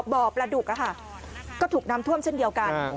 บ่อปลาดุกก็ถูกน้ำท่วมเช่นเดียวกัน